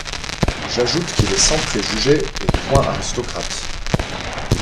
J’ajoute qu’il est sans préjugés et point aristocrate.